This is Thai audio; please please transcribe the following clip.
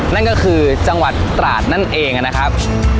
นั่นก็คือจังหวัดตราดนั่นเองนะครับ